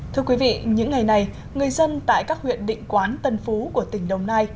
thưa quý vị những ngày này người dân tại các huyện định quán tân phú của tỉnh đồng nai